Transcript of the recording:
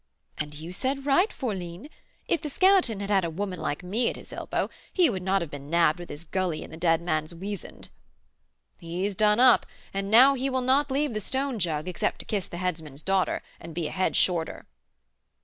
'" "And you said right, fourline; if the Skeleton had had a woman like me at his elbow, he would not have been nabbed with his gully in the dead man's weasand." "He's done up, and now he will not leave the 'stone jug,' except to kiss the headsman's daughter, and be a head shorter."